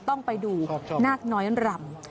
ต้องไปดูนาฏนอยค์บ็อนด์ลำ